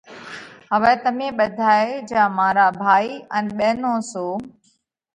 هوَئہ تمي ٻڌائي جيا مارا ڀائِي ان ٻينون سو،